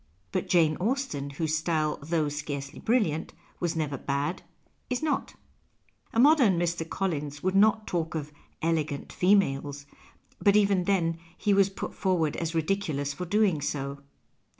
But Jane Austen, whose style, though scarcely brilliant, was never bad, is not. A modern Mr. Collins would not talk of " elegant females "— but even then he was put forward as ridiculous for doing so.